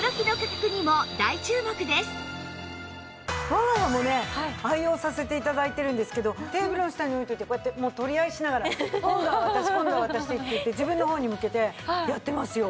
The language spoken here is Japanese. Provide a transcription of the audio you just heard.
我が家もね愛用させて頂いてるんですけどテーブルの下に置いておいてこうやって取り合いしながら今度は私今度は私って自分の方に向けてやってますよ。